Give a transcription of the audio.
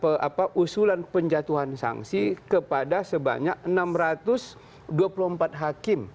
apa usulan penjatuhan sanksi kepada sebanyak enam ratus dua puluh empat hakim